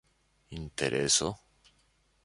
intereso